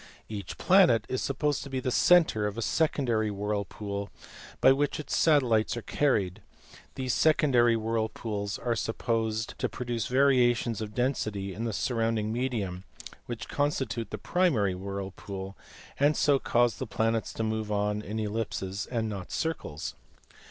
Each planet is supposed to be the centre of a secondary whirl pool by which its satellites are carried : these secondary whirl pools are supposed to produce variations of density in the surrounding medium which constitute the primary whirlpool, and so cause the planets to move in ellipses and not in circles.